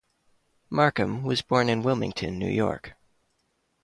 Markham was born in Wilmington, New York.